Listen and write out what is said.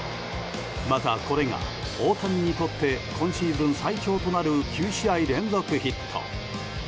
また、これが大谷にとって今シーズン最長となる９試合連続ヒット。